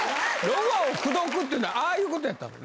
ロバを口説くってのはああいうことやったの？